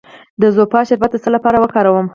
د زوفا شربت د څه لپاره وکاروم؟